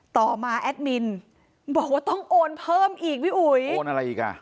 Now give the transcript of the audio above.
ต่อมาแอดมินบอกว่าต้องโอนเพิ่มอีกพี่อุ๋ยโอนอะไรอีกอ่ะ